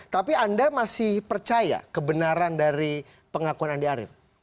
tapi anda masih percaya kebenaran dari pengakuan andi arief